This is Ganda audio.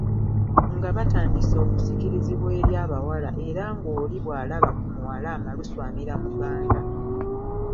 Nga batandise okusikirizibwa eri abawala era ng'oli walabira ku muwala amalusu amira muganda.